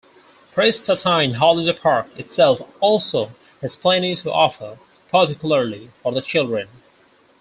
Prestatyn Holiday Park itself also has plenty to offer, particularly for the children.